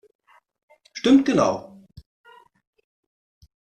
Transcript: Stimmt genau!